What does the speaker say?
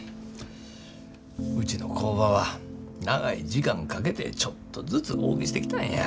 うちの工場は長い時間かけてちょっとずつ大きしてきたんや。